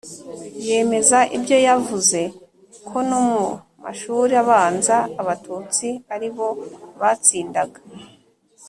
yemeza ibyo Yavuze ko no mu mashuri abanza Abatutsi ari bo batsindaga